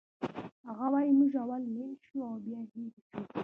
هغه وایی موږ اول مین شو او بیا ایرې شو